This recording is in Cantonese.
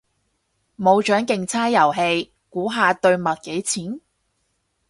冇獎競猜遊戲，估下對襪幾錢？